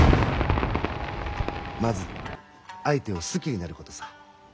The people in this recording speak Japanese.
まず相手を好きになることさ。